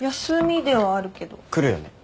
来るよね？